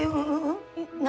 何？